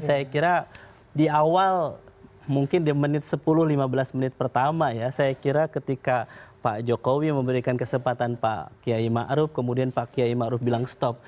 saya kira di awal mungkin di menit sepuluh lima belas menit pertama ya saya kira ketika pak jokowi memberikan kesempatan pak kiai ma'ruf kemudian pak kiai ma'ruf bilang stop